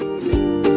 kalau mau pedas